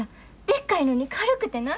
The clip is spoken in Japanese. でっかいのに軽くてな。